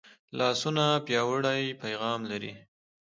لاسونه پیاوړی پیغام لري